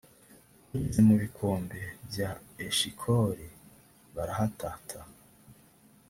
bageze mu bikombe bya eshikoli, barahatata.